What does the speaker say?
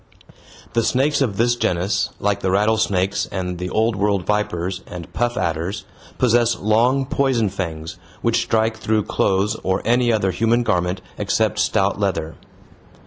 The snakes of this genus, like the rattlesnakes and the Old World vipers and puff adders, possess long poison fangs which strike through clothes or any other human garment except stout leather.